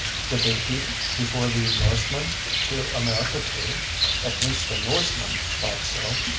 Did they keep before the Norsemen to America too? At least the Norsemen thought so.